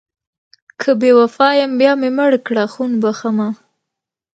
که بې وفا یم بیا مې مړه کړه خون بښمه...